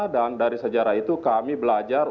dan dari sejarah itu kami belajar